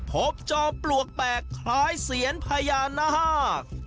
จอมปลวกแปลกคล้ายเสียนพญานาค